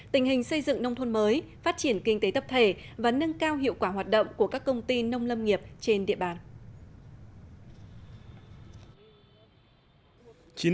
tình hình xây dựng nông thôn mới phát triển kinh tế tập thể và nâng cao hiệu quả hoạt động của các công ty nông lâm nghiệp trên địa bàn